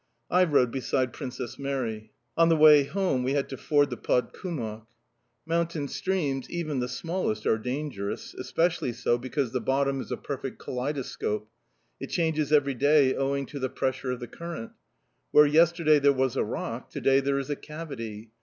I rode beside Princess Mary. On the way home, we had to ford the Podkumok. Mountain streams, even the smallest, are dangerous; especially so, because the bottom is a perfect kaleidoscope: it changes every day owing to the pressure of the current; where yesterday there was a rock, to day there is a cavity.